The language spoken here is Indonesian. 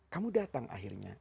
kamu datang akhirnya